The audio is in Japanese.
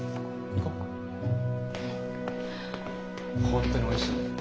本当においしいんだよ。